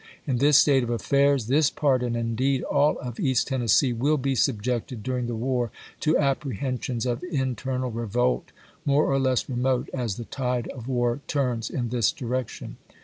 In this state of affairs this part, and, indeed, all of East Tennessee, will be subjected during the war to apprehensions of internal revolt, more or less remote, as the tide of war turns in this direction.